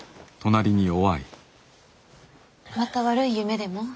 また悪い夢でも？